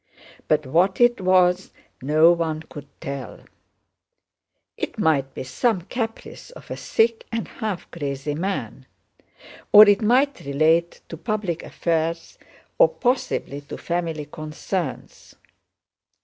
But what it was, no one could tell: it might be some caprice of a sick and half crazy man, or it might relate to public affairs, or possibly to family concerns.